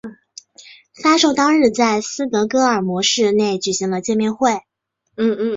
发售当日在斯德哥尔摩市内举行了见面会。